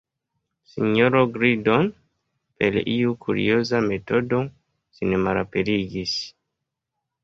Sinjoro Gliddon, per iu kurioza metodo, sin malaperigis.